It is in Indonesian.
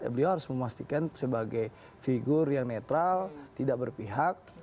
beliau harus memastikan sebagai figur yang netral tidak berpihak